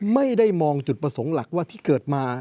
ไม่ได้มองจุดประสงค์หลักว่าที่เกิดมา